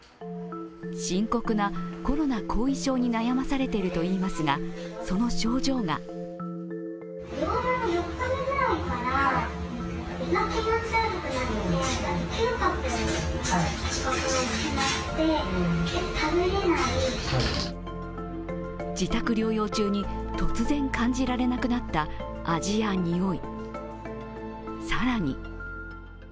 深刻なコロナ後遺症に悩まされているといいますが、その症状が自宅療養中に突然、感じられなくなった味やにおい。